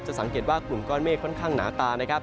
สังเกตว่ากลุ่มก้อนเมฆค่อนข้างหนาตานะครับ